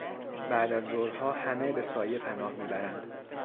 بعدازظهرها همه به سایه پناه میبرند.